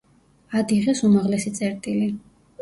ადიღეს უმაღლესი წერტილი.